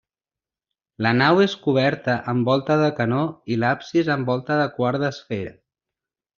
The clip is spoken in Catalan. La nau és coberta amb volta de canó i l'absis amb volta de quart d'esfera.